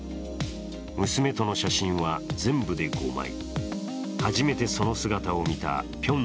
娘との写真は全部で５枚。